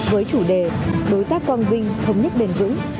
với chủ đề đối tác quang vinh thống nhất bền vững